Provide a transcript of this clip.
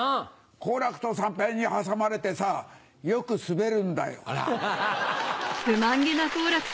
好楽と三平に挟まれてさよくスベるんだよ。